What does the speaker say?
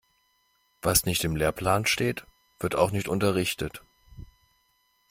Was nicht im Lehrplan steht, wird auch nicht unterrichtet.